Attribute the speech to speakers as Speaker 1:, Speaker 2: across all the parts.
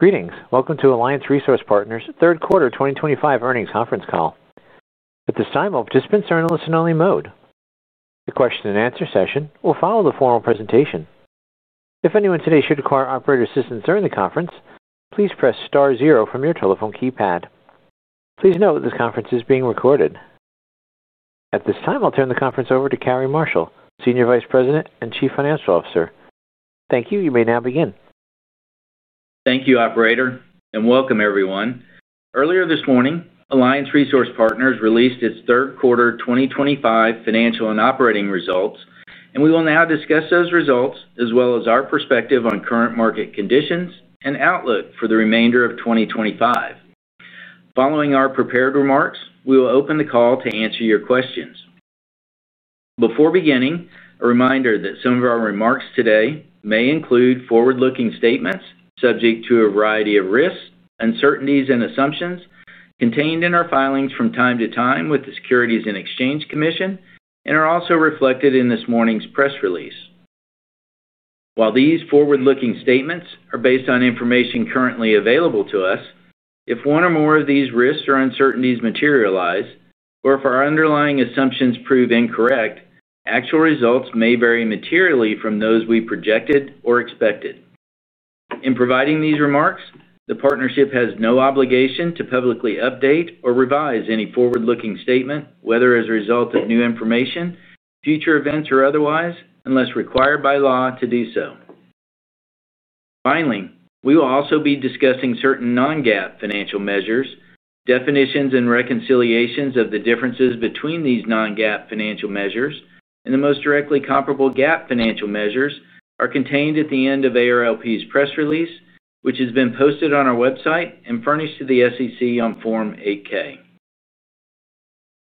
Speaker 1: Greetings. Welcome to Alliance Resource Partners' third quarter 2025 earnings conference call. At this time, all participants are in a listen-only mode. The question and answer session will follow the formal presentation. If anyone today should require operator assistance during the conference, please press star zero from your telephone keypad. Please note this conference is being recorded. At this time, I'll turn the conference over to Cary Marshall, Senior Vice President and Chief Financial Officer. Thank you. You may now begin.
Speaker 2: Thank you, Operator, and welcome, everyone. Earlier this morning, Alliance Resource Partners, released its third quarter 2025 financial and operating results, and we will now discuss those results as well as our perspective on current market conditions and outlook for the remainder of 2025. Following our prepared remarks, we will open the call to answer your questions. Before beginning, a reminder that some of our remarks today may include forward-looking statements subject to a variety of risks, uncertainties, and assumptions contained in our filings from time to time with the Securities and Exchange Commission and are also reflected in this morning's press release. While these forward-looking statements are based on information currently available to us, if one or more of these risks or uncertainties materialize, or if our underlying assumptions prove incorrect, actual results may vary materially from those we projected or expected. In providing these remarks, the partnership has no obligation to publicly update or revise any forward-looking statement, whether as a result of new information, future events, or otherwise, unless required by law to do so. Finally, we will also be discussing certain non-GAAP financial measures, definitions, and reconciliations of the differences between these non-GAAP financial measures and the most directly comparable GAAP financial measures are contained at the end of ARLP's press release, which has been posted on our website and furnished to the SEC on Form 8-K.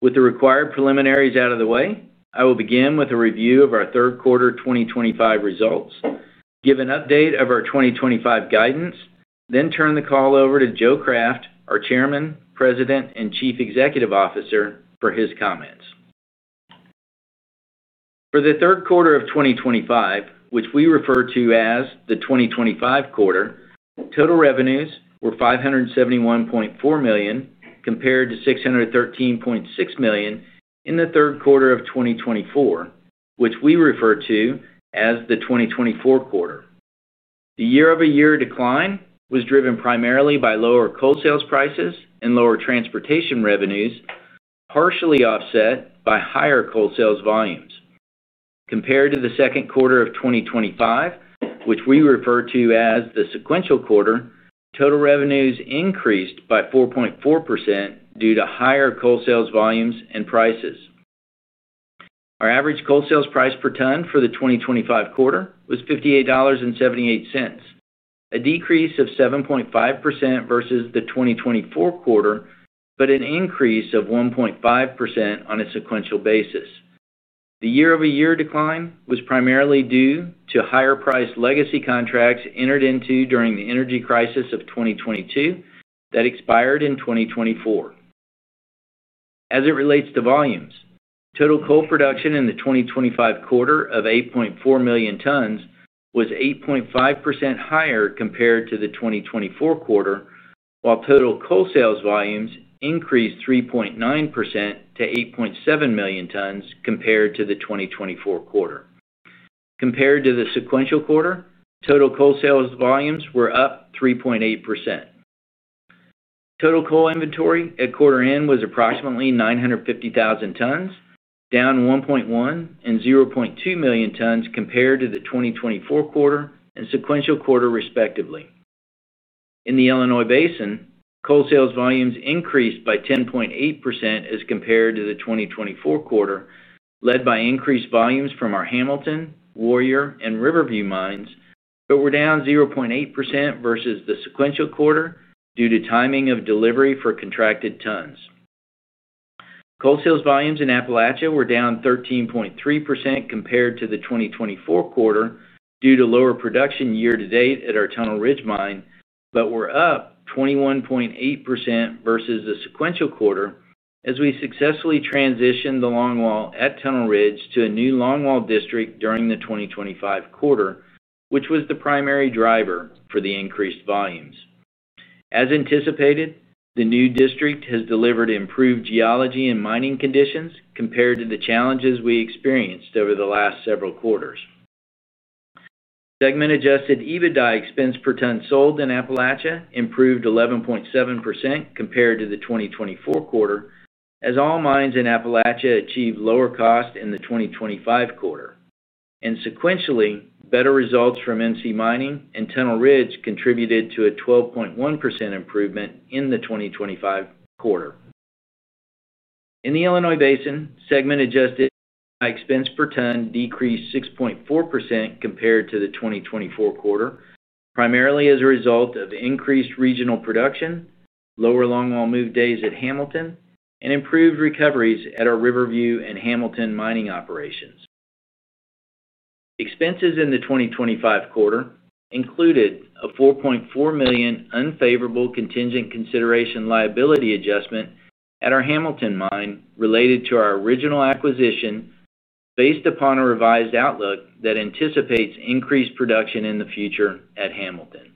Speaker 2: With the required preliminaries out of the way, I will begin with a review of our third quarter 2025 results, give an update of our 2025 guidance, then turn the call over to Joe Craft, our Chairman, President, and Chief Executive Officer, for his comments. For the third quarter of 2025, which we refer to as the 2025 quarter, total revenues were $571.4 million compared to $613.6 million in the third quarter of 2024, which we refer to as the 2024 quarter. The year-over-year decline was driven primarily by lower coal sales prices and lower transportation revenues, partially offset by higher coal sales volumes. Compared to the second quarter of 2025, which we refer to as the sequential quarter, total revenues increased by 4.4% due to higher coal sales volumes and prices. Our average coal sales price per ton for the 2025 quarter was $58.78, a decrease of 7.5% versus the 2024 quarter, but an increase of 1.5% on a sequential basis. The year-over-year decline was primarily due to higher-priced legacy contracts entered into during the energy crisis of 2022 that expired in 2024. As it relates to volumes, total coal production in the 2025 quarter of 8.4 million tons was 8.5% higher compared to the 2024 quarter, while total coal sales volumes increased 3.9% to 8.7 million tons compared to the 2024 quarter. Compared to the sequential quarter, total coal sales volumes were up 3.8%. Total coal inventory at quarter end was approximately 950,000 tons, down 1.1 and 0.2 million tons compared to the 2024 quarter and sequential quarter, respectively. In the Illinois Basin, coal sales volumes increased by 10.8% as compared to the 2024 quarter, led by increased volumes from our Hamilton, Warrior, and Riverview mines, but were down 0.8% versus the sequential quarter due to timing of delivery for contracted tons. Coal sales volumes in Appalachia were down 13.3% compared to the 2024 quarter due to lower production year-to-date at our Tunnel Ridge mine, but were up 21.8% versus the sequential quarter as we successfully transitioned the long wall at Tunnel Ridge to a new long wall district during the 2025 quarter, which was the primary driver for the increased volumes. As anticipated, the new district has delivered improved geology and mining conditions compared to the challenges we experienced over the last several quarters. Segment-adjusted EBITDA expense per ton sold in Appalachia improved 11.7% compared to the 2024 quarter, as all mines in Appalachia achieved lower cost in the 2025 quarter. Sequentially, better results from NC Mining and Tunnel Ridge contributed to a 12.1% improvement in the 2025 quarter. In the Illinois Basin, segment-adjusted EBITDA expense per ton decreased 6.4% compared to the 2024 quarter, primarily as a result of increased regional production, lower long wall move days at Hamilton, and improved recoveries at our Riverview and Hamilton mining operations. Expenses in the 2025 quarter included a $4.4 million unfavorable contingent consideration liability adjustment at our Hamilton mine related to our original acquisition, based upon a revised outlook that anticipates increased production in the future at Hamilton.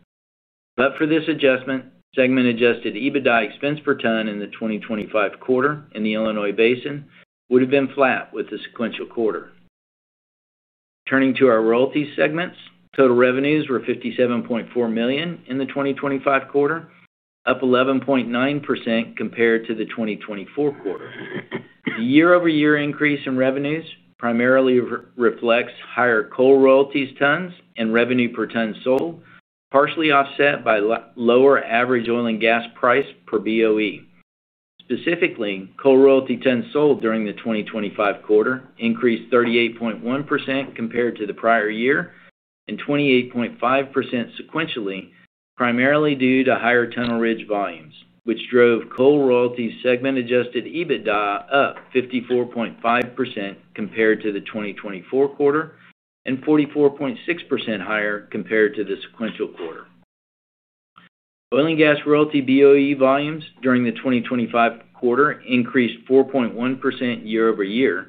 Speaker 2: Except for this adjustment, segment-adjusted EBITDA expense per ton in the 2025 quarter in the Illinois Basin would have been flat with the sequential quarter. Turning to our royalties segments, total revenues were $57.4 million in the 2025 quarter, up 11.9% compared to the 2024 quarter. The year-over-year increase in revenues primarily reflects higher coal royalties tons and revenue per ton sold, partially offset by lower average oil and gas price per BOE. Specifically, coal royalty tons sold during the 2025 quarter increased 38.1% compared to the prior year and 28.5% sequentially, primarily due to higher Tunnel Ridge volumes, which drove coal royalties segment-adjusted EBITDA up 54.5% compared to the 2024 quarter and 44.6% higher compared to the sequential quarter. Oil and gas royalty BOE volumes during the 2025 quarter increased 4.1% year-over-year.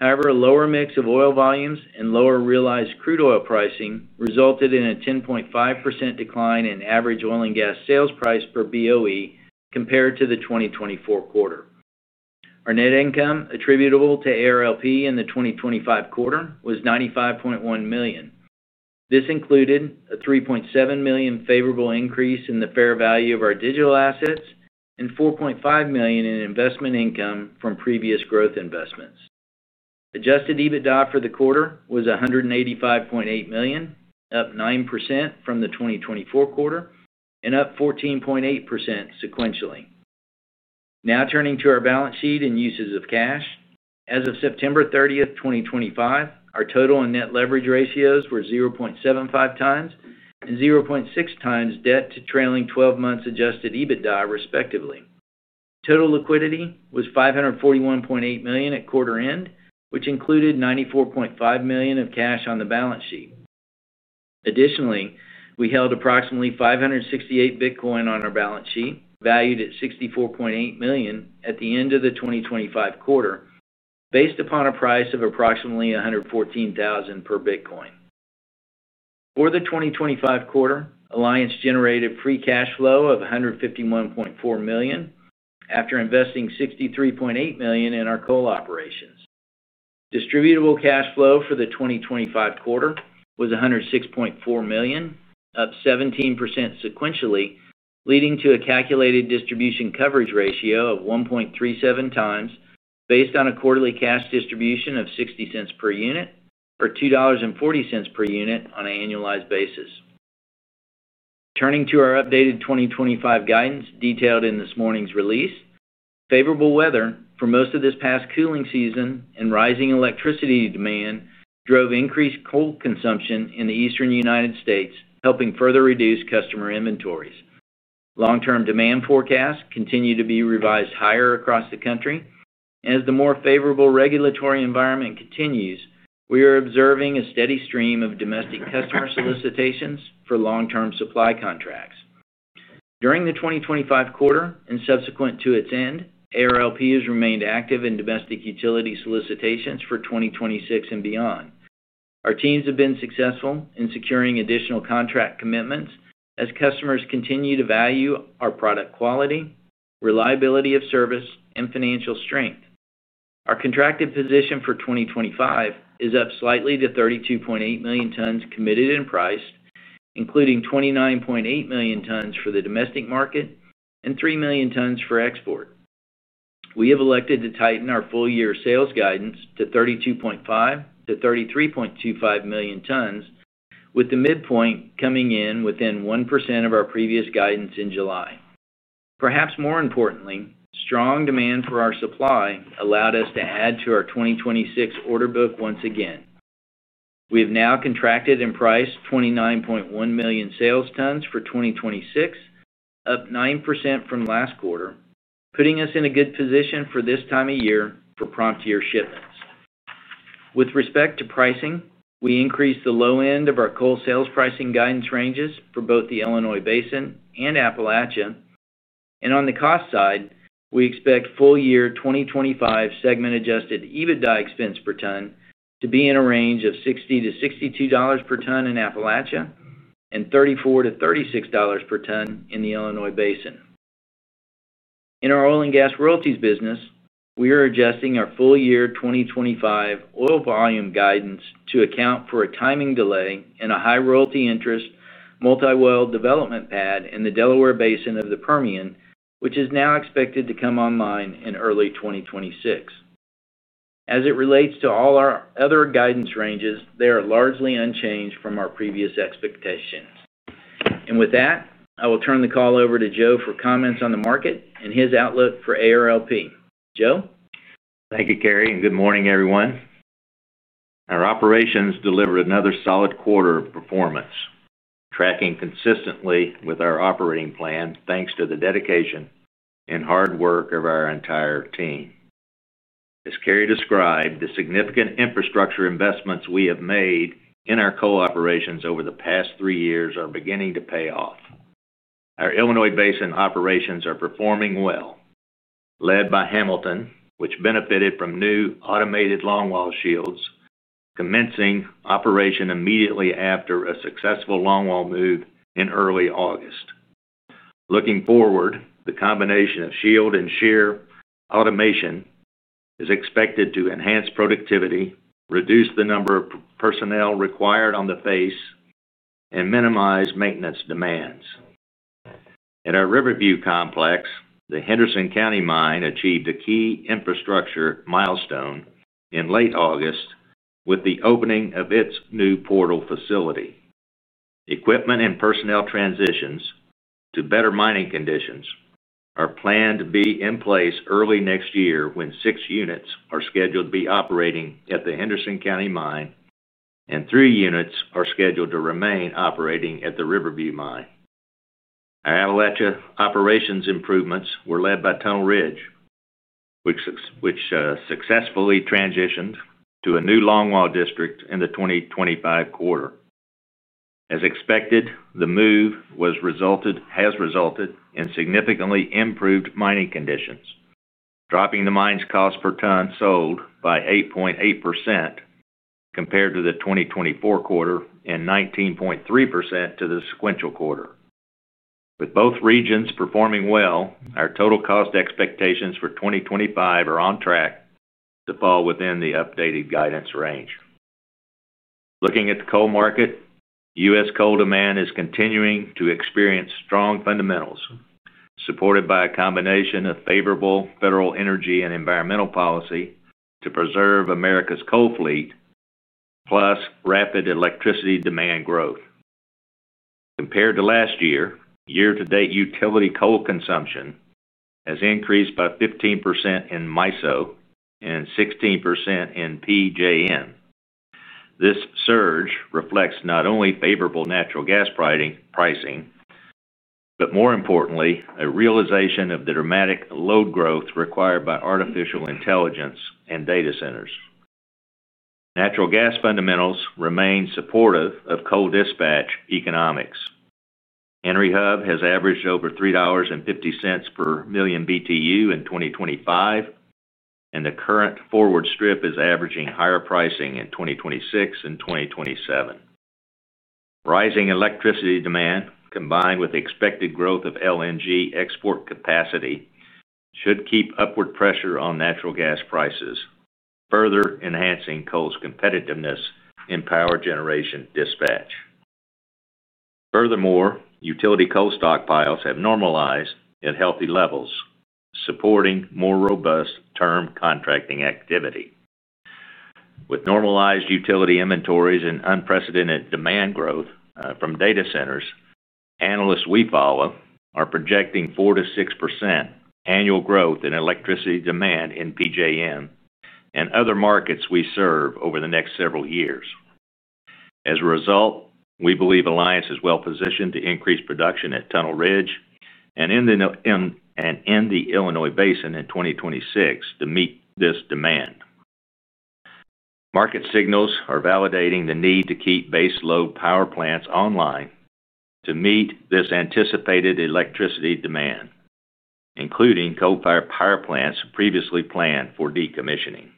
Speaker 2: However, a lower mix of oil volumes and lower realized crude oil pricing resulted in a 10.5% decline in average oil and gas sales price per BOE compared to the 2024 quarter. Our net income attributable to ARLP. in the 2025 quarter was $95.1 million. This included a $3.7 million favorable increase in the fair value of our digital assets and $4.5 million in investment income from previous growth investments. Adjusted EBITDA for the quarter was $185.8 million, up 9% from the 2024 quarter and up 14.8% sequentially. Now turning to our balance sheet and uses of cash, as of September 30th, 2025, our total and net leverage ratios were 0.75x and 0.6x debt to trailing 12 months adjusted EBITDA, respectively. Total liquidity was $541.8 million at quarter end, which included $94.5 million of cash on the balance sheet. Additionally, we held approximately 568 Bitcoin on our balance sheet, valued at $64.8 million at the end of the 2025 quarter, based upon a price of approximately $114,000 per Bitcoin. For the 2025 quarter, Alliance generated free cash flow of $151.4 million after investing $63.8 million in our coal operations. Distributable cash flow for the 2025 quarter was $106.4 million, up 17% sequentially, leading to a calculated distribution coverage ratio of 1.37x, based on a quarterly cash distribution of $0.60 per unit or $2.40 per unit on an annualized basis. Turning to our updated 2025 guidance detailed in this morning's release, favorable weather for most of this past cooling season and rising electricity demand drove increased coal consumption in the eastern United States, helping further reduce customer inventories. Long-term demand forecasts continue to be revised higher across the country, and as the more favorable regulatory environment continues, we are observing a steady stream of domestic customer solicitations for long-term supply contracts. During the 2025 quarter and subsequent to its end, ARLP has remained active in domestic utility solicitations for 2026 and beyond. Our teams have been successful in securing additional contract commitments as customers continue to value our product quality, reliability of service, and financial strength. Our contracted position for 2025 is up slightly to 32.8 million tons committed and priced, including 29.8 million tons for the domestic market and 3 million tons for export. We have elected to tighten our full-year sales guidance to 32.5 million tons to 33.25 million tons, with the midpoint coming in within 1% of our previous guidance in July. Perhaps more importantly, strong demand for our supply allowed us to add to our 2026 order book once again. We have now contracted and priced 29.1 million sales tons for 2026, up 9% from last quarter, putting us in a good position for this time of year for promptier shipments. With respect to pricing, we increased the low end of our coal sales pricing guidance ranges for both the Illinois Basin and Appalachia, and on the cost side, we expect full-year 2025 segment-adjusted EBITDA expense per ton to be in a range of $60-$62 per ton in Appalachia and $34-$36 per ton in the Illinois Basin. In our oil and gas royalties business, we are adjusting our full-year 2025 oil volume guidance to account for a timing delay and a high royalty interest multi-well development pad in the Delaware Basin of the Permian, which is now expected to come online in early 2026. As it relates to all our other guidance ranges, they are largely unchanged from our previous expectations. With that, I will turn the call over to Joe for comments on the market and his outlook for ARLP. Joe?
Speaker 3: Thank you, Cary, and good morning, everyone. Our operations delivered another solid quarter of performance, tracking consistently with our operating plan thanks to the dedication and hard work of our entire team. As Cary described, the significant infrastructure investments we have made in our coal operations over the past three years are beginning to pay off. Our Illinois Basin operations are performing well, led by Hamilton, which benefited from new automated long wall shields, commencing operation immediately after a successful long wall move in early August. Looking forward, the combination of shield and shear automation is expected to enhance productivity, reduce the number of personnel required on the face, and minimize maintenance demands. In our Riverview Complex, the Henderson County mine achieved a key infrastructure milestone in late August with the opening of its new portal facility. Equipment and personnel transitions to better mining conditions are planned to be in place early next year when six units are scheduled to be operating at the Henderson County mine, and three units are scheduled to remain operating at the Riverview mine. Our Appalachia operations improvements were led by Tunnel Ridge, which successfully transitioned to a new long wall district in the 2025 quarter. As expected, the move has resulted in significantly improved mining conditions, dropping the mine's cost per ton sold by 8.8% compared to the 2024 quarter and 19.3% to the sequential quarter. With both regions performing well, our total cost expectations for 2025 are on track to fall within the updated guidance range. Looking at the coal market, U.S. Coal demand is continuing to experience strong fundamentals, supported by a combination of favorable federal energy and environmental policy to preserve America's coal fleet, plus rapid electricity demand growth. Compared to last year, year-to-date utility coal consumption has increased by 15% in MISO and 16% in PJM. This surge reflects not only favorable natural gas pricing, but more importantly, a realization of the dramatic load growth required by artificial intelligence and data centers. Natural gas fundamentals remain supportive of coal dispatch economics. Henry Hub has averaged over $3.50 per million BTU in 2025, and the current forward strip is averaging higher pricing in 2026 and 2027. Rising electricity demand, combined with the expected growth of LNG export capacity, should keep upward pressure on natural gas prices, further enhancing coal's competitiveness in power generation dispatch. Furthermore, utility coal stockpiles have normalized at healthy levels, supporting more robust term contracting activity. With normalized utility inventories and unprecedented demand growth from data centers, analysts we follow are projecting 4%-6% annual growth in electricity demand in PJM and other markets we serve over the next several years. As a result, we believe Alliance is well positioned to increase production at Tunnel Ridge and in the Illinois Basin in 2026 to meet this demand. Market signals are validating the need to keep base load power plants online to meet this anticipated electricity demand, including coal-fired power plants previously planned for decommissioning.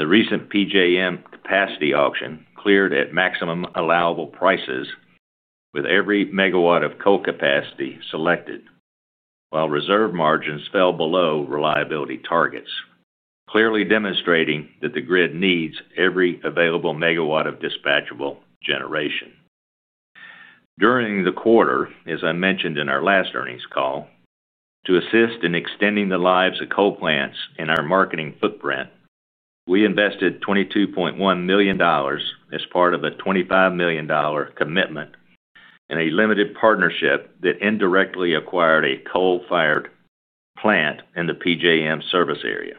Speaker 3: The recent PJM capacity auction cleared at maximum allowable prices with every megawatt of coal capacity selected, while reserve margins fell below reliability targets, clearly demonstrating that the grid needs every available megawatt of dispatchable generation. During the quarter, as I mentioned in our last earnings call, to assist in extending the lives of coal plants in our marketing footprint, we invested $22.1 million as part of a $25 million commitment in a limited partnership that indirectly acquired a coal-fired plant in the PJM service area,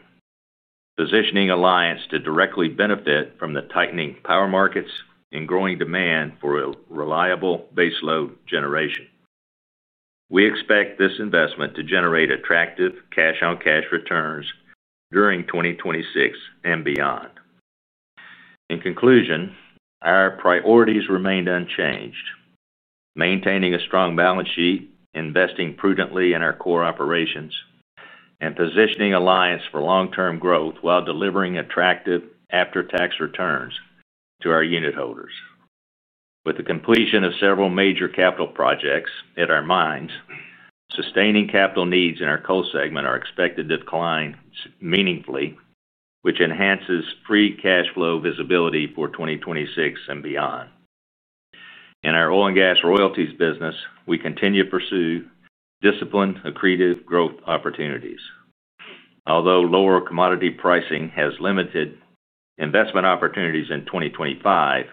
Speaker 3: positioning Alliance to directly benefit from the tightening power markets and growing demand for reliable base load generation. We expect this investment to generate attractive cash-on-cash returns during 2026 and beyond. In conclusion, our priorities remained unchanged, maintaining a strong balance sheet, investing prudently in our core operations, and positioning Alliance for long-term growth while delivering attractive after tax returns to our unitholders. With the completion of several major capital projects at our mines, sustaining capital needs in our coal segment are expected to decline meaningfully, which enhances free cash flow visibility for 2026 and beyond. In our oil and gas royalties business, we continue to pursue disciplined, accretive growth opportunities. Although lower commodity pricing has limited investment opportunities in 2025,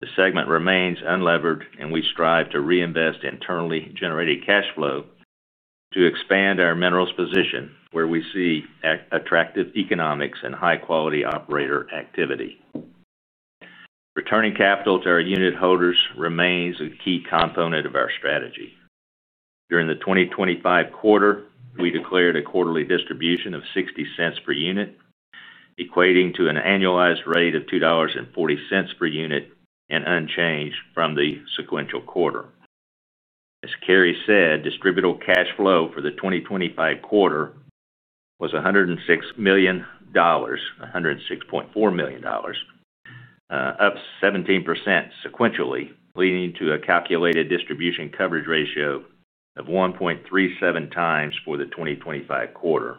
Speaker 3: the segment remains unlevered, and we strive to reinvest internally generated cash flow to expand our minerals position, where we see attractive economics and high-quality operator activity. Returning capital to our unitholders remains a key component of our strategy. During the 2025 quarter, we declared a quarterly distribution of $0.60 per unit, equating to an annualized rate of $2.40 per unit and unchanged from the sequential quarter. As Cary said, distributable cash flow for the 2025 quarter was $106.4 million, up 17% sequentially, leading to a calculated distribution coverage ratio of 1.37x for the 2025 quarter.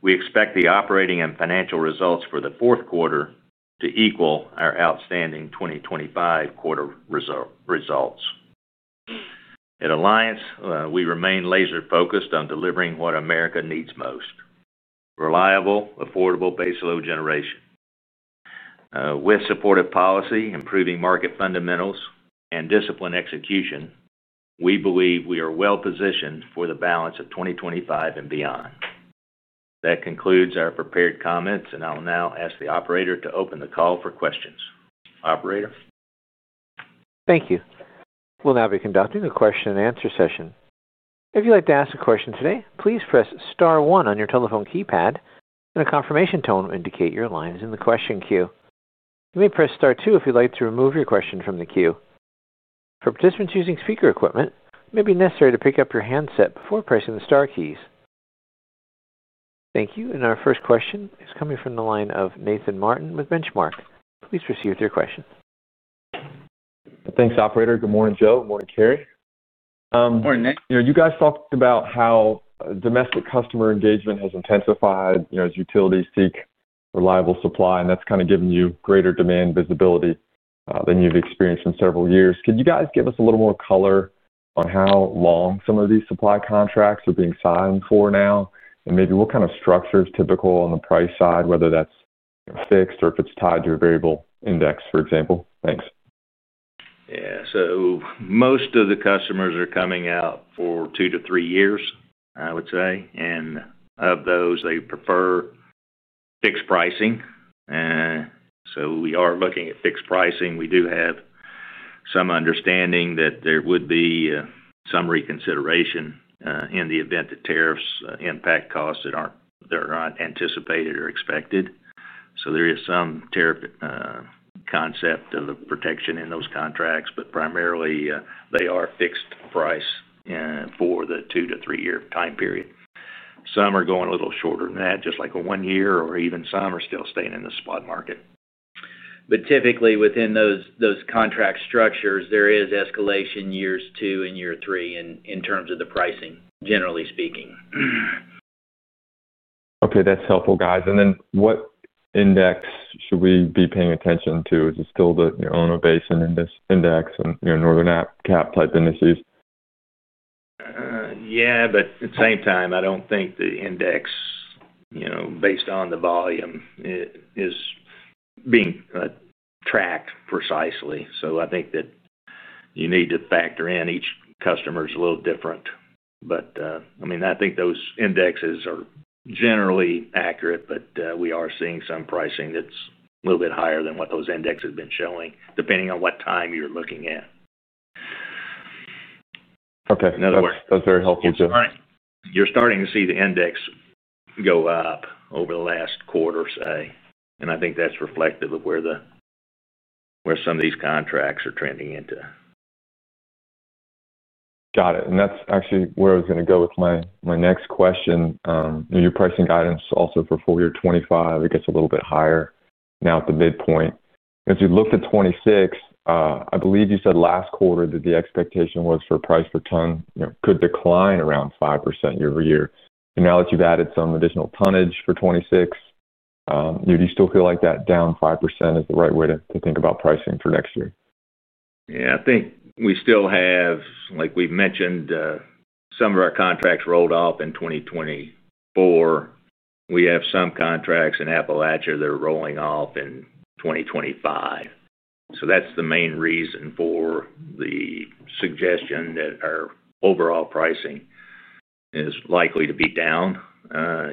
Speaker 3: We expect the operating and financial results for the fourth quarter to equal our outstanding 2025 quarter results. At Alliance, we remain laser-focused on delivering what America needs most: reliable, affordable base load generation. With supportive policy, improving market fundamentals, and disciplined execution, we believe we are well positioned for the balance of 2025 and beyond. That concludes our prepared comments, and I'll now ask the Operator to open the call for questions. Operator?
Speaker 1: Thank you. We'll now be conducting a question and answer session. If you'd like to ask a question today, please press star one on your telephone keypad, and a confirmation tone will indicate your line is in the question queue. You may press star two if you'd like to remove your question from the queue. For participants using speaker equipment, it may be necessary to pick up your handset before pressing the star keys. Thank you. Our first question is coming from the line of Nathan Martin with Benchmark. Please proceed with your question.
Speaker 4: Thanks, Operator. Good morning, Joe. Good morning, Cary.
Speaker 3: Morning, Nick.
Speaker 4: You guys talked about how domestic customer engagement has intensified as utilities seek reliable supply, and that's kind of given you greater demand visibility than you've experienced in several years. Could you guys give us a little more color on how long some of these supply contracts are being signed for now, and maybe what kind of structure is typical on the price side, whether that's fixed or if it's tied to a variable index, for example? Thanks.
Speaker 3: Most of the customers are coming out for two to three years, I would say, and of those, they prefer fixed pricing. We are looking at fixed pricing. We do have some understanding that there would be some reconsideration in the event that tariffs impact costs that aren't anticipated or expected. There is some tariff concept of protection in those contracts, but primarily, they are fixed price for the two to three year time period. Some are going a little shorter than that, just like a one-year, or even some are still staying in the spot market. Typically, within those contract structures, there is escalation in years two and three in terms of the pricing, generally speaking.
Speaker 4: Okay, that's helpful, guys. What index should we be paying attention to? Is it still the Illinois Basin index and your northern cap type indices?
Speaker 3: At the same time, I don't think the index, you know, based on the volume, is being tracked precisely. I think that you need to factor in each customer's a little different. I mean, I think those indexes are generally accurate, but we are seeing some pricing that's a little bit higher than what those indexes have been showing, depending on what time you're looking at.
Speaker 4: Okay.
Speaker 3: In other words.
Speaker 4: That's very helpful, Joe.
Speaker 3: You're starting to see the index go up over the last quarter, and I think that's reflective of where some of these contracts are trending into.
Speaker 4: Got it. That is actually where I was going to go with my next question. You know, your pricing guidance also for full-year 2025 gets a little bit higher now at the midpoint. As you looked at 2026, I believe you said last quarter that the expectation was for price per ton could decline around 5% year-over-year. Now that you've added some additional tonnage for 2026, do you still feel like that down 5% is the right way to think about pricing for next year?
Speaker 3: I think we still have, like we mentioned, some of our contracts rolled off in 2024. We have some contracts in Appalachia that are rolling off in 2025. That's the main reason for the suggestion that our overall pricing is likely to be down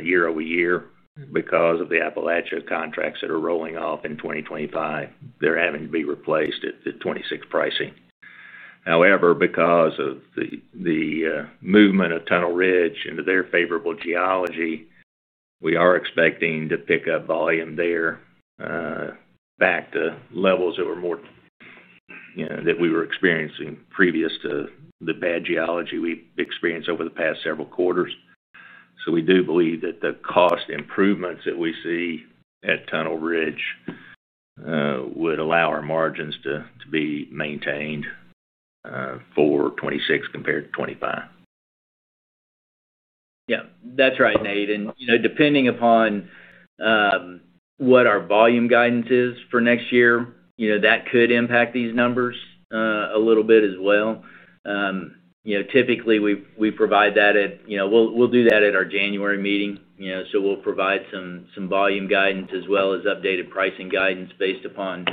Speaker 3: year-over-year because of the Appalachia contracts that are rolling off in 2025. They're having to be replaced at the 2026 pricing. However, because of the movement of Tunnel Ridge into their favorable geology, we are expecting to pick up volume there, back to levels that were more, you know, that we were experiencing previous to the bad geology we've experienced over the past several quarters. We do believe that the cost improvements that we see at Tunnel Ridge would allow our margins to be maintained for 2026 compared to 2025.
Speaker 2: Yeah, that's right, Nathan. Depending upon what our volume guidance is for next year, that could impact these numbers a little bit as well. Typically, we provide that at our January meeting. We'll provide some volume guidance as well as updated pricing guidance based upon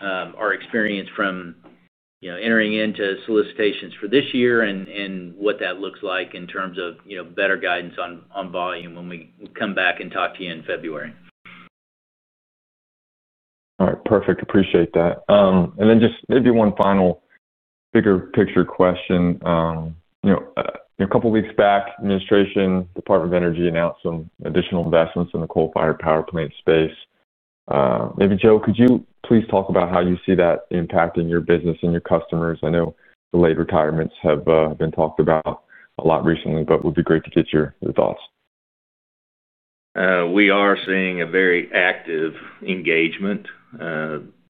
Speaker 2: our experience from entering into solicitations for this year and what that looks like in terms of better guidance on volume when we come back and talk to you in February.
Speaker 4: All right, perfect. Appreciate that. Maybe one final bigger picture question. You know, a couple of weeks back, the administration, Department of Energy announced some additional investments in the coal-fired plant space. Maybe, Joe, could you please talk about how you see that impacting your business and your customers? I know the late retirements have been talked about a lot recently, but it would be great to get your thoughts.
Speaker 3: We are seeing a very active engagement,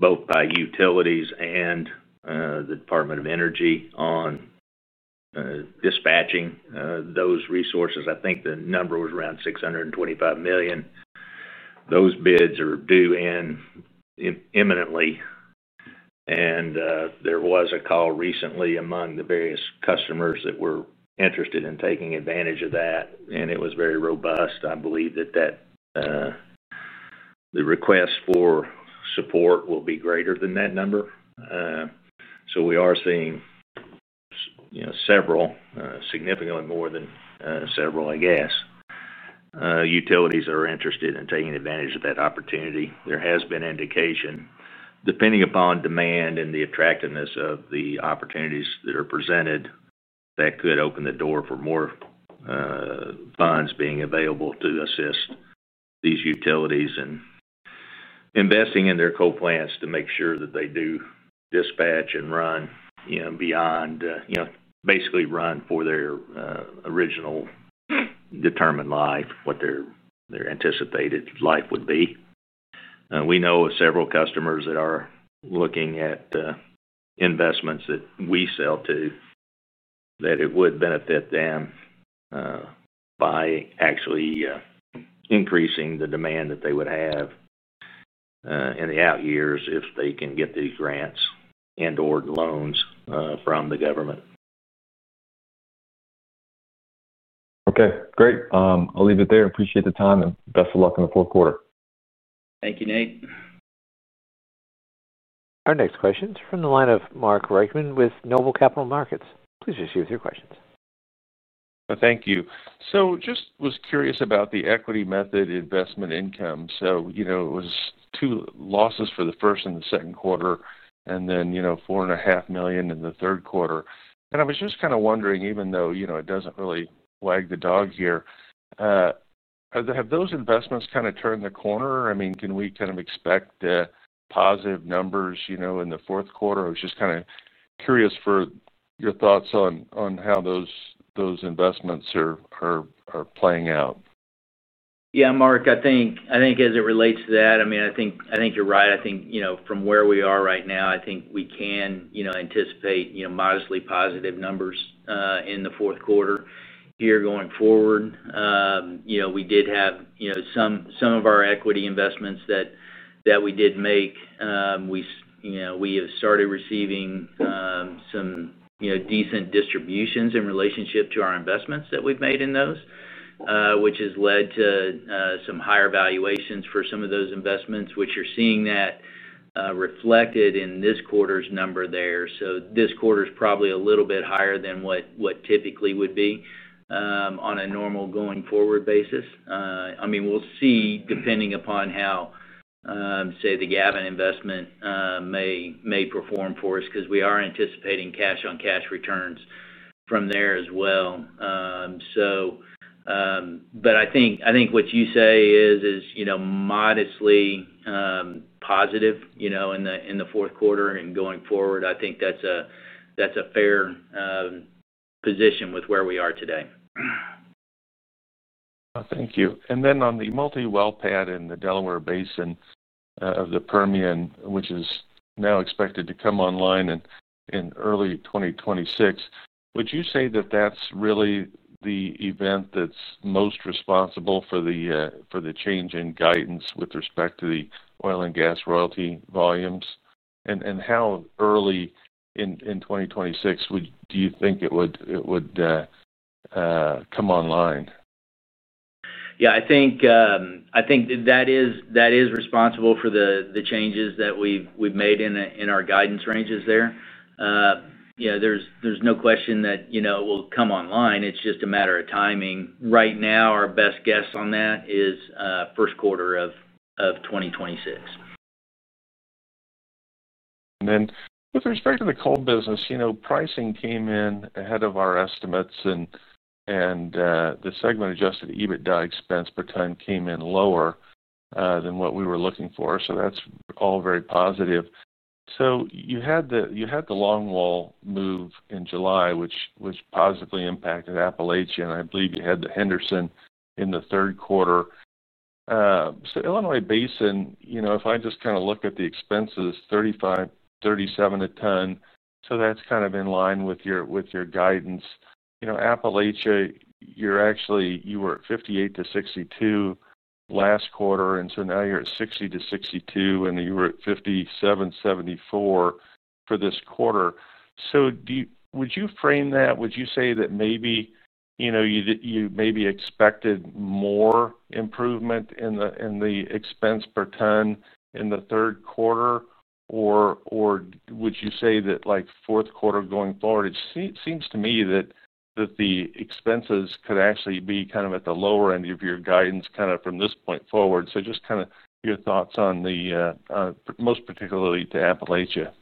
Speaker 3: both by utilities and the Department of Energy on dispatching those resources. I think the number was around $625 million. Those bids are due in imminently. There was a call recently among the various customers that were interested in taking advantage of that, and it was very robust. I believe that the request for support will be greater than that number. We are seeing several, significantly more than several, I guess, utilities that are interested in taking advantage of that opportunity. There has been indication, depending upon demand and the attractiveness of the opportunities that are presented, that could open the door for more funds being available to assist these utilities in investing in their coal plants to make sure that they do dispatch and run beyond, basically run for their original determined life, what their anticipated life would be. We know of several customers that are looking at investments that we sell to, that it would benefit them by actually increasing the demand that they would have in the out years if they can get these grants and/or loans from the government.
Speaker 4: Okay, great. I'll leave it there. I appreciate the time, and best of luck in the fourth quarter.
Speaker 2: Thank you, Nate.
Speaker 1: Our next question is from the line of Mark Reichman with Noble Capital Markets. Please proceed with your questions.
Speaker 5: Thank you. I was curious about the equity method investment income. It was two losses for the first and the second quarter, and then $4.5 million in the third quarter. I was just kind of wondering, even though it doesn't really wag the dog here, have those investments kind of turned the corner? I mean, can we kind of expect positive numbers in the fourth quarter? I was just kind of curious for your thoughts on how those investments are playing out.
Speaker 2: Yeah, Mark, I think as it relates to that, you're right. From where we are right now, we can anticipate modestly positive numbers in the fourth quarter here going forward. We did have some of our equity investments that we did make. We have started receiving some decent distributions in relationship to our investments that we've made in those, which has led to some higher valuations for some of those investments. We're seeing that reflected in this quarter's number there. This quarter's probably a little bit higher than what typically would be on a normal going forward basis. We'll see depending upon how, say, the Gavin investment may perform for us because we are anticipating cash-on-cash returns from there as well. I think what you say is modestly positive in the fourth quarter and going forward. I think that's a fair position with where we are today.
Speaker 5: Thank you. On the multi-well pad in the Delaware Basin of the Permian, which is now expected to come online in early 2026, would you say that that's really the event that's most responsible for the change in guidance with respect to the oil and gas royalty volumes? How early in 2026 do you think it would come online?
Speaker 2: I think that is responsible for the changes that we've made in our guidance ranges. You know, there's no question that it will come online. It's just a matter of timing. Right now, our best guess on that is first quarter of 2026.
Speaker 5: With respect to the coal business, pricing came in ahead of our estimates, and the segment-adjusted EBITDA expense per ton came in lower than what we were looking for. That's all very positive. You had the long wall move in July, which positively impacted Appalachia, and I believe you had the Henderson in the third quarter. Illinois Basin, if I just kind of look at the expenses, $35, $37 a ton, that's kind of in line with your guidance. Appalachia, you were at $58-$62 last quarter, and now you're at $60-$62, and you were at $57.74 for this quarter. Would you frame that? Would you say that maybe you expected more improvement in the expense per ton in the third quarter, or would you say that fourth quarter going forward, it seems to me that the expenses could actually be kind of at the lower end of your guidance from this point forward? Just your thoughts on the most particularly to Appalachia.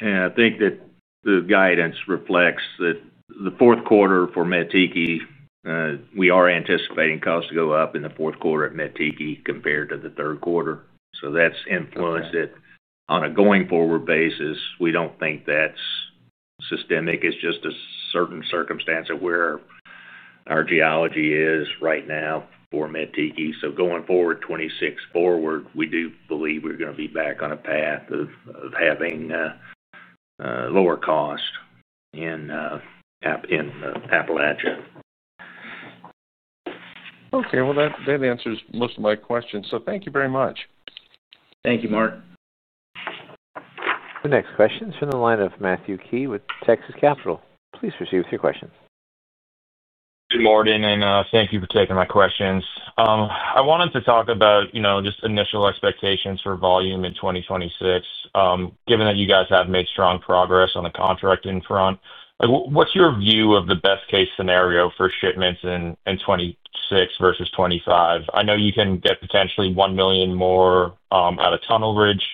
Speaker 3: I think that the guidance reflects that the fourth quarter for[Meitike], we are anticipating costs to go up in the fourth quarter at [Meitike] compared to the third quarter. That's influenced it. On a going forward basis, we don't think that's systemic. It's just a certain circumstance of where our geology is right now for [Meitike]. Going forward, 2026 forward, we do believe we're going to be back on a path of having lower cost in Appalachia.
Speaker 5: Okay, that answers most of my questions. Thank you very much.
Speaker 2: Thank you, Mark.
Speaker 1: The next question is from the line of Matthew Key with Texas Capital. Please proceed with your question.
Speaker 6: Good morning, and thank you for taking my questions. I wanted to talk about, you know, just initial expectations for volume in 2026, given that you guys have made strong progress on the contracting front. What's your view of the best-case scenario for shipments in 2026 versus 2025? I know you can get potentially 1 million more out of Tunnel Ridge.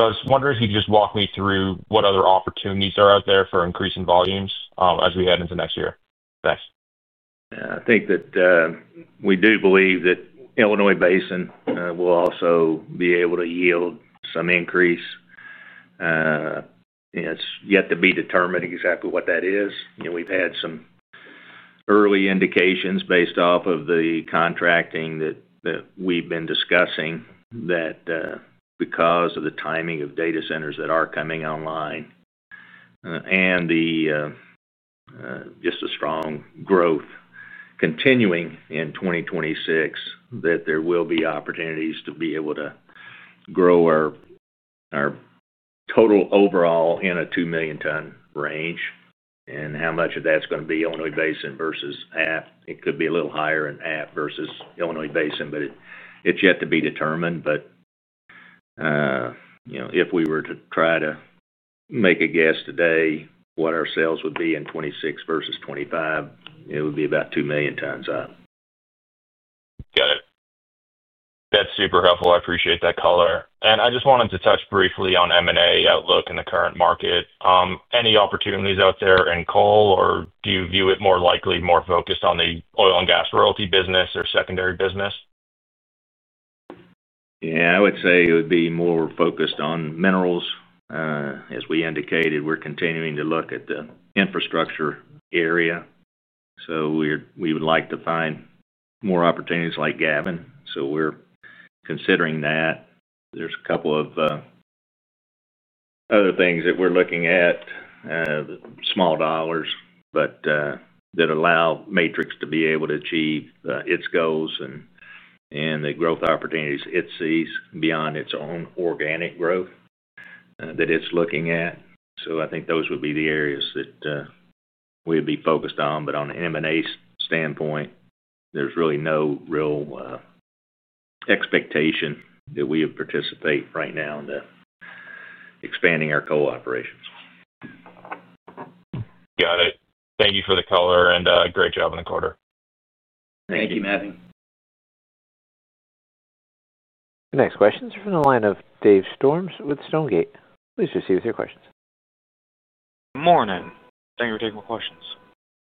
Speaker 6: I was wondering if you could just walk me through what other opportunities are out there for increasing volumes as we head into next year. Thanks.
Speaker 3: Yeah, I think that we do believe that Illinois Basin will also be able to yield some increase. It's yet to be determined exactly what that is. We've had some early indications based off of the contracting that we've been discussing, that because of the timing of data centers that are coming online, and just a strong growth continuing in 2026, there will be opportunities to be able to grow our total overall in a 2 million ton range. How much of that's going to be Illinois Basin versus half? It could be a little higher in half versus Illinois Basin, but it's yet to be determined. If we were to try to make a guess today what our sales would be in 2026 versus 2025, it would be about 2 million tons up.
Speaker 6: Got it. That's super helpful. I appreciate that color. I just wanted to touch briefly on M&A outlook in the current market. Any opportunities out there in coal, or do you view it more likely more focused on the oil and gas royalty business or secondary business?
Speaker 3: Yeah, I would say it would be more focused on minerals. As we indicated, we're continuing to look at the infrastructure area. We would like to find more opportunities like Gavin. We're considering that. There's a couple of other things that we're looking at, the small dollars, that allow Matrix to be able to achieve its goals and the growth opportunities it sees beyond its own organic growth that it's looking at. I think those would be the areas that we'd be focused on. On an M&A standpoint, there's really no real expectation that we have participated right now into expanding our coal operations.
Speaker 6: Got it. Thank you for the color, and great job in the quarter.
Speaker 2: Thank you, Matthew.
Speaker 1: The next questions are from the line of Dave Storms with Stonegate. Please proceed with your questions.
Speaker 7: Morning. Thank you for taking my questions.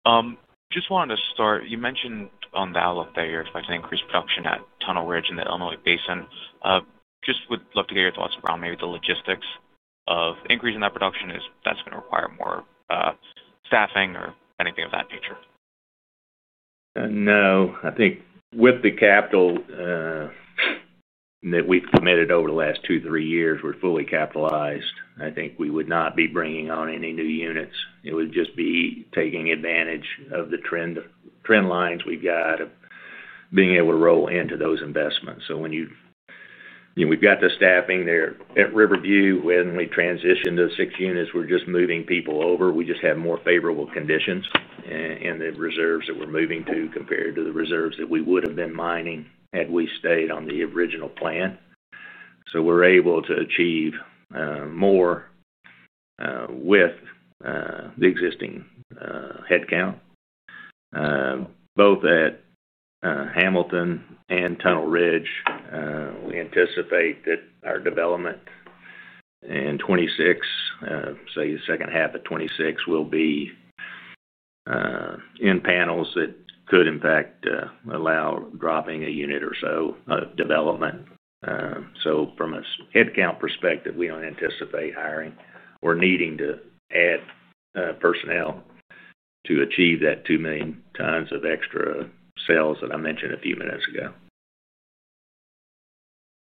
Speaker 7: I just wanted to start. You mentioned on the outlook that you're expecting increased production at Tunnel Ridge in the Illinois Basin. I just would love to get your thoughts around maybe the logistics of increasing that production. Is that going to require more staffing or anything of that nature?
Speaker 3: No. I think with the capital that we've committed over the last two, three years, we're fully capitalized. I think we would not be bringing on any new units. It would just be taking advantage of the trend lines we've got of being able to roll into those investments. We've got the staffing there at Riverview. When we transition to the six units, we're just moving people over. We just have more favorable conditions in the reserves that we're moving to compared to the reserves that we would have been mining had we stayed on the original plan. We're able to achieve more with the existing headcount. Both at Hamilton and Tunnel Ridge, we anticipate that our development in 2026, say the second half of 2026, will be in panels that could, in fact, allow dropping a unit or so of development. From a headcount perspective, we don't anticipate hiring or needing to add personnel to achieve that 2 million tons of extra sales that I mentioned a few minutes ago.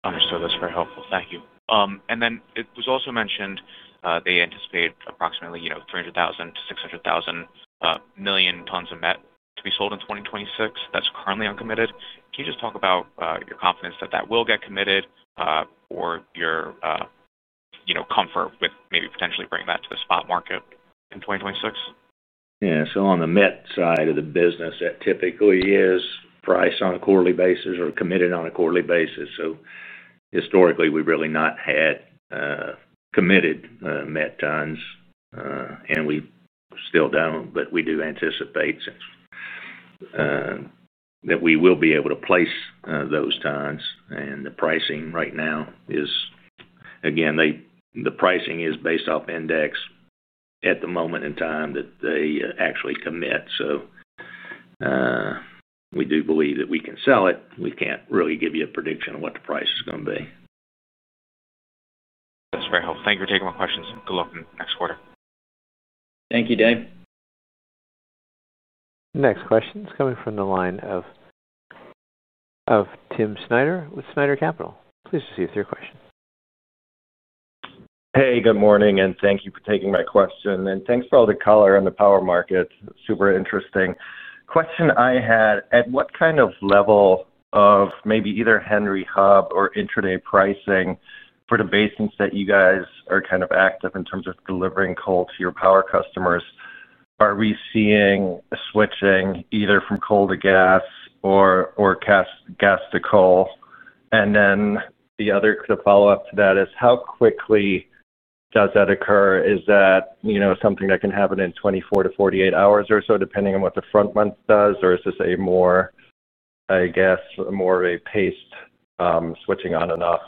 Speaker 7: Understood. That's very helpful. Thank you. It was also mentioned, they anticipate approximately 300,000tons-600,000 tons of met to be sold in 2026. That's currently uncommitted. Can you just talk about your confidence that that will get committed, or your comfort with maybe potentially bringing that to the spot market in 2026?
Speaker 3: Yeah, on the met side of the business, that typically is priced on a quarterly basis or committed on a quarterly basis. Historically, we've really not had committed met tons, and we still don't, but we do anticipate that we will be able to place those tons. The pricing right now is, again, the pricing is based off index at the moment in time that they actually commit. We do believe that we can sell it. We can't really give you a prediction of what the price is going to be.
Speaker 7: That's very helpful. Thank you for taking my questions. Good luck in the next quarter.
Speaker 2: Thank you, Dave.
Speaker 1: Next question is coming from the line of [Tim Snyder with Snyder Capital]. Please proceed with your question. Hey, good morning, and thank you for taking my question. Thank you for all the color on the power market. Super interesting. Question I had, at what kind of level of maybe either Henry Hub or intraday pricing for the basins that you guys are kind of active in, in terms of delivering coal to your power customers, are we seeing a switching either from coal to gas or gas to coal? The other follow-up to that is how quickly does that occur? Is that something that can happen in 24 hours-48 hours or so, depending on what the front month does, or is this more of a paced switching on and off?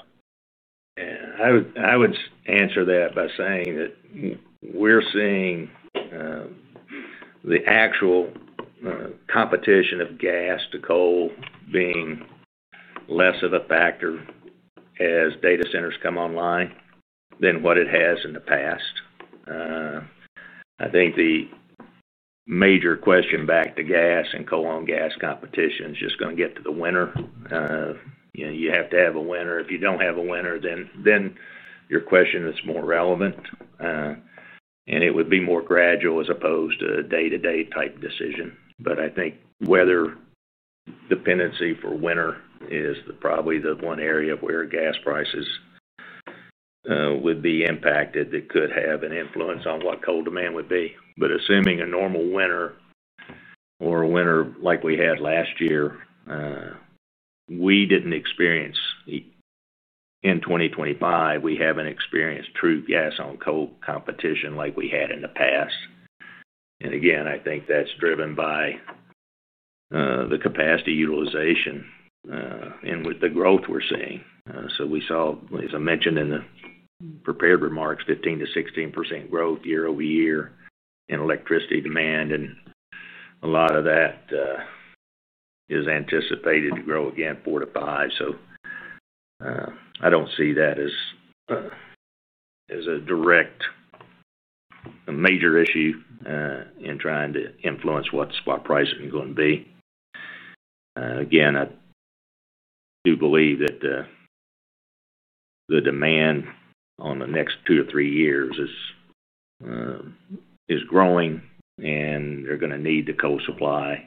Speaker 3: I would answer that by saying that we're seeing the actual competition of gas to coal being less of a factor as data centers come online than what it has in the past. I think the major question back to gas and coal on gas competition is just going to get to the winner. You have to have a winner. If you don't have a winner, then your question is more relevant, and it would be more gradual as opposed to a day-to-day type decision. I think weather dependency for winter is probably the one area where gas prices would be impacted that could have an influence on what coal demand would be. Assuming a normal winter or a winter like we had last year, we didn't experience in 2025, we haven't experienced true gas on coal competition like we had in the past. I think that's driven by the capacity utilization, and with the growth we're seeing. We saw, as I mentioned in the prepared remarks, 15%-16% growth year-over-year in electricity demand, and a lot of that is anticipated to grow again four to five. I don't see that as a direct, major issue in trying to influence what pricing is going to be. I do believe that the demand in the next two to three years is growing, and they're going to need the coal supply.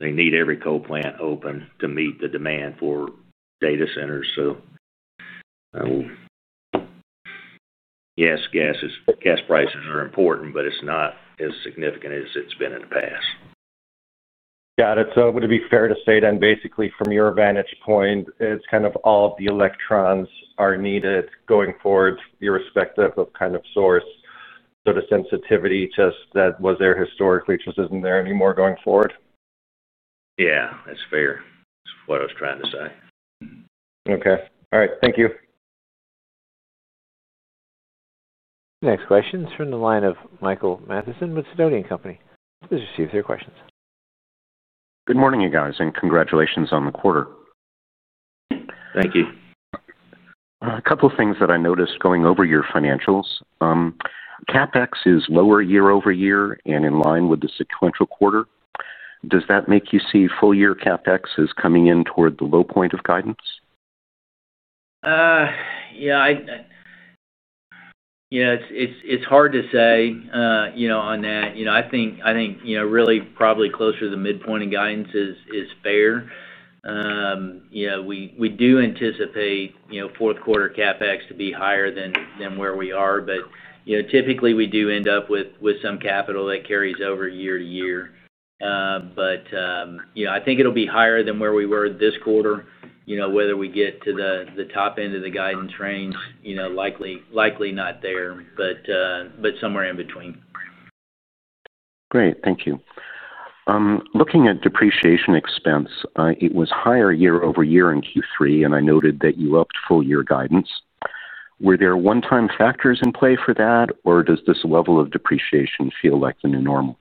Speaker 3: They need every coal plant open to meet the demand for data centers. Yes, gas prices are important, but it's not as significant as it's been in the past. Would it be fair to say then, basically, from your vantage point, it's kind of all of the electrons are needed going forward, irrespective of kind of source, so the sensitivity just that was there historically just isn't there anymore going forward? Yeah, that's fair. That's what I was trying to say. Okay. All right. Thank you.
Speaker 1: Next question is from the line of Michael Matheson with Sidoti & Company. Please proceed with your questions.
Speaker 8: Good morning, you guys, and congratulations on the quarter.
Speaker 3: Thank you.
Speaker 8: A couple of things that I noticed going over your financials. CapEx is lower year-over-year and in line with the sequential quarter. Does that make you see full-year CapEx as coming in toward the low point of guidance?
Speaker 2: Yeah, it's hard to say on that. I think really probably closer to the midpoint in guidance is fair. We do anticipate fourth quarter CapEx to be higher than where we are, but typically, we do end up with some capital that carries over year to year. I think it'll be higher than where we were this quarter. Whether we get to the top end of the guidance range, likely not there, but somewhere in between.
Speaker 8: Great. Thank you. Looking at depreciation expense, it was higher year-over-year in Q3, and I noted that you upped full-year guidance. Were there one-time factors in play for that, or does this level of depreciation feel like the new normal?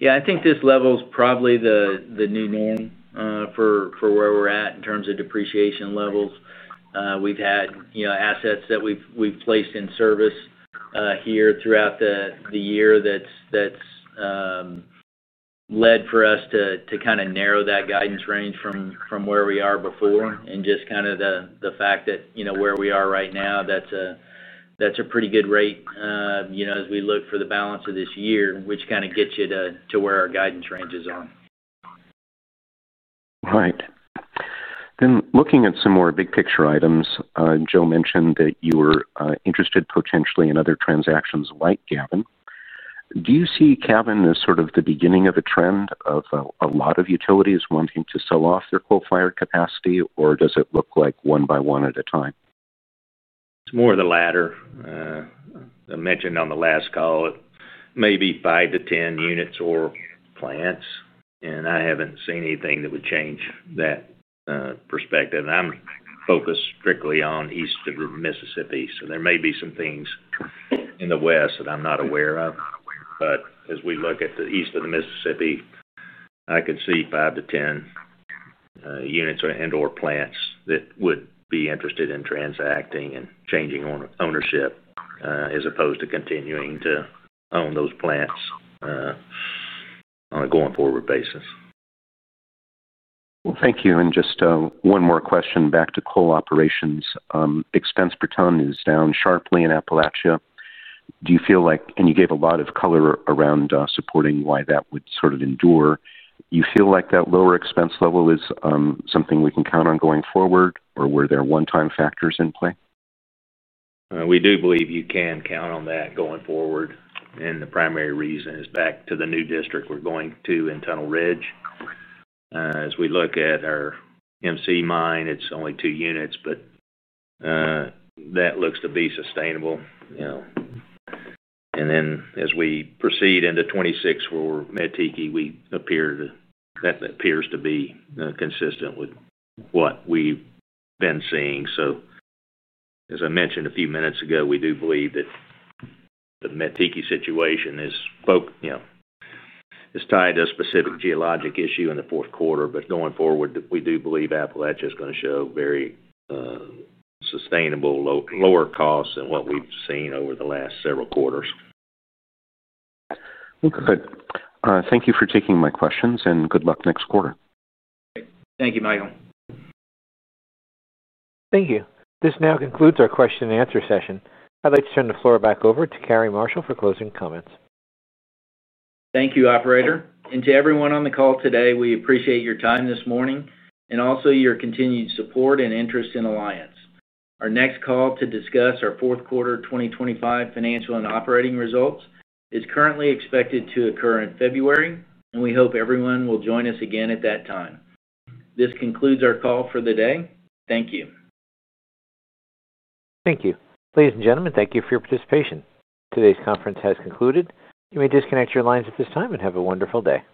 Speaker 2: Yeah, I think this level is probably the new normal for where we're at in terms of depreciation levels. We've had assets that we've placed in service here throughout the year that's led for us to kind of narrow that guidance range from where we are before. Just the fact that, you know, where we are right now, that's a pretty good rate as we look for the balance of this year, which kind of gets you to where our guidance range is on.
Speaker 8: Right. Looking at some more big-picture items, Joe mentioned that you were interested potentially in other transactions like Gavin. Do you see Gavin as the beginning of a trend of a lot of utilities wanting to sell off their coal-fired capacity, or does it look like one by one at a time?
Speaker 3: It's more of the latter. I mentioned on the last call, it may be five to 10 units or plants, and I haven't seen anything that would change that perspective. I'm focused strictly on east of the Mississippi, so there may be some things in the west that I'm not aware of. As we look at the east of the Mississippi, I could see five to 10 units and/or plants that would be interested in transacting and changing ownership, as opposed to continuing to own those plants on a going forward basis.
Speaker 8: Thank you. Just one more question back to coal operations. Expense per ton is down sharply in Appalachia. Do you feel like, and you gave a lot of color around, supporting why that would sort of endure. Do you feel like that lower expense level is something we can count on going forward, or were there one-time factors in play?
Speaker 3: We do believe you can count on that going forward. The primary reason is back to the new district we're going to in Tunnel Ridge. As we look at our MC mine, it's only two units, but that looks to be sustainable. You know, as we proceed into 2026 for Meitike, that appears to be consistent with what we've been seeing. As I mentioned a few minutes ago, we do believe that the [Meitike] situation is tied to a specific geologic issue in the fourth quarter. Going forward, we do believe Appalachia is going to show very sustainable lower costs than what we've seen over the last several quarters.
Speaker 8: Thank you for taking my questions, and good luck next quarter.
Speaker 3: Thank you, Michael.
Speaker 1: Thank you. This now concludes our question and answer session. I'd like to turn the floor back over to Cary Marshall for closing comments.
Speaker 2: Thank you, Operator. To everyone on the call today, we appreciate your time this morning and also your continued support and interest in Alliance. Our next call to discuss our fourth quarter 2025 financial and operating results is currently expected to occur in February, and we hope everyone will join us again at that time. This concludes our call for the day. Thank you.
Speaker 1: Thank you. Ladies and gentlemen, thank you for your participation. Today's conference has concluded. You may disconnect your lines at this time and have a wonderful day.